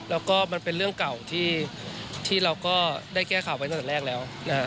แล้วก็มันเป็นเรื่องเก่าที่เราก็ได้แก้ข่าวไว้ตั้งแต่แรกแล้ว